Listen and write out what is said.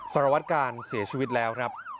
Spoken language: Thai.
สารวัตกาลเสียชีวิตแล้วครับ